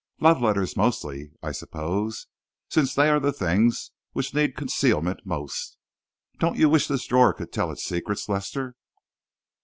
Love letters, mostly, I suppose, since they are the things which need concealment most. Don't you wish this drawer could tell its secrets, Lester?"